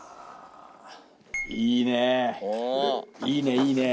いいねいいね！